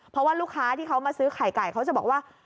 เพราะว่าลูกค้าที่เขามาซื้อไข่ไก่เขาจะบอกว่า